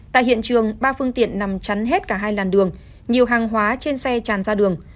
tại hiện trường ba phương tiện nằm chắn hết cả hai làn đường nhiều hàng hóa trên xe tràn ra đường